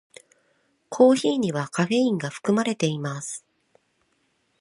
コーヒーにはカフェインが含まれています。